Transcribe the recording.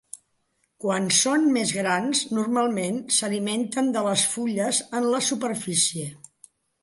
Quan són més grans normalment s'alimenten de les fulles en la superfície.